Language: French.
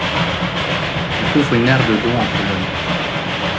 Elle couvre une aire de dont en Pologne.